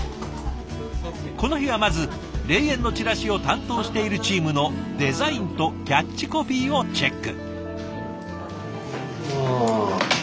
この日はまず霊園のチラシを担当しているチームのデザインとキャッチコピーをチェック。